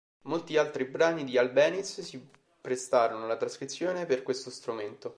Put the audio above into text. Molti altri brani di Albéniz si prestarono alla trascrizione per questo strumento.